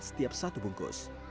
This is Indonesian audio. setiap satu bungkus